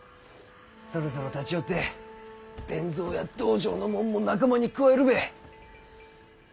そろそろ立ち寄って伝蔵や道場のもんも仲間に加えるべぇ。